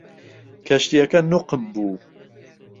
کەشتیەکە نوقم بوو.